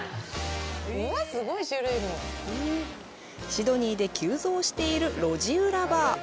シドニーで急増している路地裏バー。